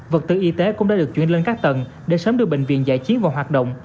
vật tư y tế cũng đã được chuyển lên các tầng để sớm đưa bệnh viện giải chiến vào hoạt động